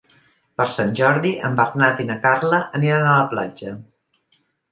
Per Sant Jordi en Bernat i na Carla aniran a la platja.